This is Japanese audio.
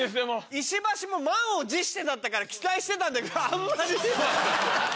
石橋も満を持してだったから期待してたんだけどあんまり。